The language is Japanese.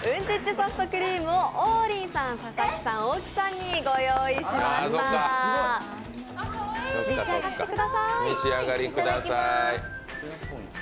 ソフトクリームを王林さん、佐々木さん、大木さんにご用意しました、召し上がってください。